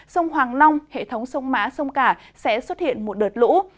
sông hoàng long hệ thống sông mã sông cả sẽ xuất hiện một đợt lũ